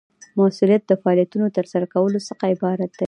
مؤثریت د فعالیتونو د ترسره کولو څخه عبارت دی.